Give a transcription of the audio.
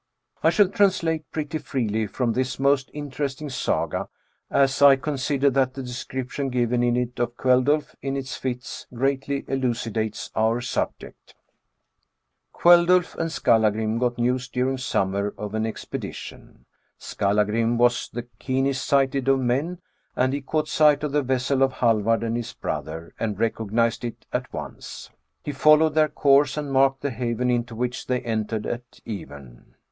I shall translate pretty freely from this most interesting Saga, as I consider that the description given in it of Kveldulf in his fits greatly elucidates our subject. KvelduK and Skallagrim got news during summer 44 THE BOOK OF WERE WOLVES. of an expedition. Skallagrim was the keenest sighted of men, and he caught sight of the vessel of Hallvard and his brother, and recognized it at once. He followed their course and marked the haven into which they entered at even.